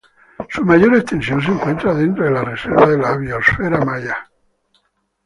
Su mayor extensión se encuentra dentro de la reserva de la biosfera maya.